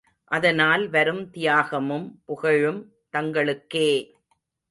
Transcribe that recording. அதனால் வரும் தியாகமும் புகழும் தங்களுக்கே!